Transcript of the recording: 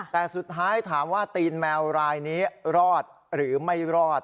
แต่สุดท้ายถามว่าตีนแมวรายนี้รอดหรือไม่รอด